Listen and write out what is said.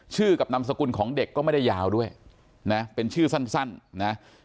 กับนามสกุลของเด็กก็ไม่ได้ยาวด้วยนะเป็นชื่อสั้นนะ